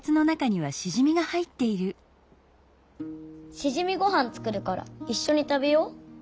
しじみごはん作るからいっしょに食べよう。